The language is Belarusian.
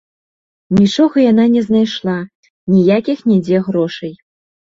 Нічога яна не знайшла, ніякіх нідзе грошай.